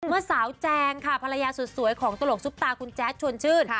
เมื่อสาวแจงค่ะภรรยาสุดสวยของตลกซุปตาคุณแจ๊ดชวนชื่น